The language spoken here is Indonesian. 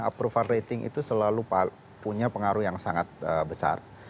approval rating itu selalu punya pengaruh yang sangat besar